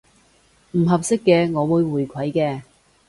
唔合適嘅，我會回饋嘅